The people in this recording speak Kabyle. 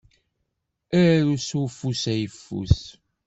Aru s ufus ayeffus.